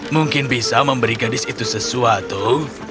mungkin bisa memberi gadis itu sesuatu